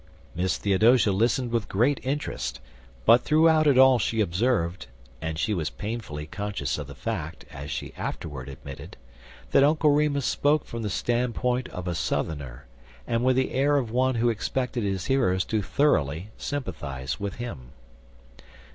Miss Theodosia listened with great interest, but throughout it all she observed and she was painfully conscious of the fact, as she afterward admitted that Uncle Remus spoke from the standpoint of a Southerner, and with the air of one who expected his hearers to thoroughly sympathize with him.